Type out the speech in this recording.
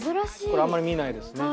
これあんまり見ないですね。